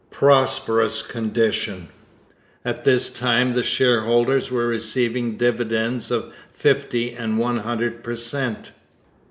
'Prosperous condition!' At this time the shareholders were receiving dividends of fifty and one hundred per cent.